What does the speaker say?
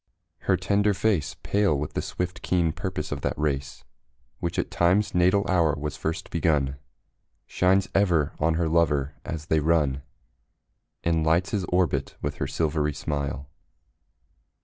Her tender face, Pale with the swift, keen purpose of that race Which at Time's natal hour was first begun, Shines ever on her lover as they run And lights his orbit with her silvery smile.